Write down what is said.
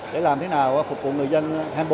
để làm thế nào phục vụ người dân hai mươi bốn hai mươi bốn